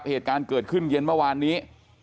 เหตุการณ์เกิดขึ้นเย็นเมื่อวานนี้